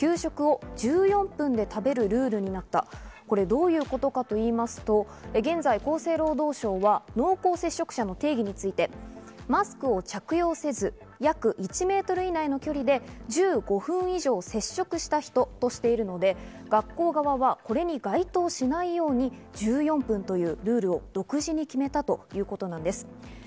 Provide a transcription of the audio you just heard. これどういうことかと言いますと、現在、厚生労働省は濃厚接触者の定義についてマスクを着用せず、約１メートル以内の距離で１５本以上、接触した人としているので、学校側はこれに該当しないように１４分というルールを独自に決めたということなんです。